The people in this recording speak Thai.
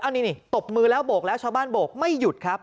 อันนี้นี่ตบมือแล้วโบกแล้วชาวบ้านโบกไม่หยุดครับ